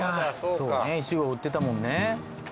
そうねいちご売ってたもんね。